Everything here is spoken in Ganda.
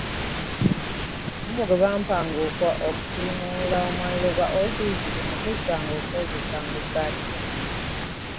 Omo gwe bampanga okusiimuula omwaliiro gwa wofiisi gwe nnakozesanga okwozaamu essaati yange.